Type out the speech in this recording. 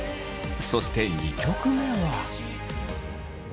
そして２曲目は。